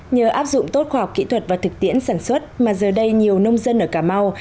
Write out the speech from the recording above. nhờ áp dụng tốt khoa học kỹ thuật và thực tiễn sản xuất mà giờ đây nhiều nông dân ở cà mau